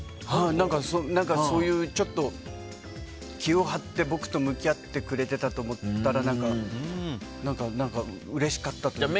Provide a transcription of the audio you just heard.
何か、ちょっと気を張って僕と向き合ってくれてたと思ったら何か、うれしかったというか。